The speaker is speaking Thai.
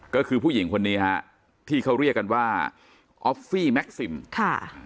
ก็คือผู้หญิงคนนี้ฮะที่เขาเรียกกันว่าออฟฟี่แม็กซิมค่ะ